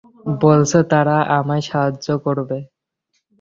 বলছ তারা আমায় সাহায্য করবে।